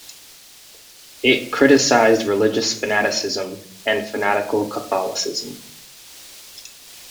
It criticized religious fanaticism and fanatical catholicism.